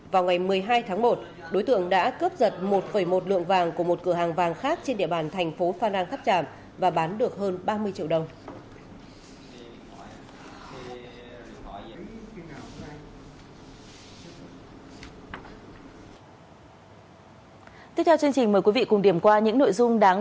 vào ngày một mươi hai tháng một đối tượng đã cướp giật một một lượng vàng của một cửa hàng vàng khác trên địa bàn thành phố phan rang tháp tràm và bán được hơn ba mươi triệu đồng